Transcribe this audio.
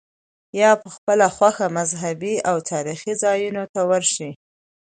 یا په خپله خوښه مذهبي او تاریخي ځایونو ته ورشې.